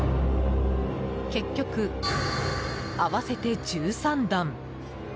結局、合わせて１３段。